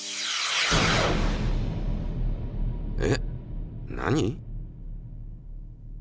えっ何？